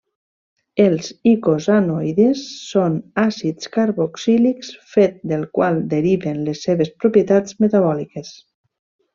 Els icosanoides són àcids carboxílics, fet del qual deriven les seves propietats metabòliques.